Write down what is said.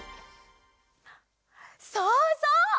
そうそう！